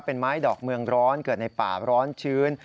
เป็นไม้ดอกเมืองร้อนเกิดในป่าร้อนชื้น